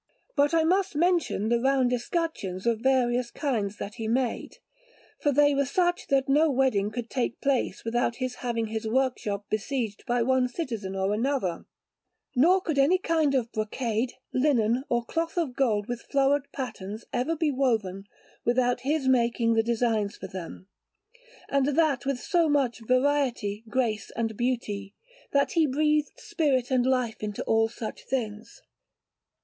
But I must mention the round escutcheons of various kinds that he made, for they were such that no wedding could take place without his having his workshop besieged by one citizen or another; nor could any kind of brocade, linen, or cloth of gold, with flowered patterns, ever be woven, without his making the designs for them, and that with so much variety, grace, and beauty, that he breathed spirit and life into all such things.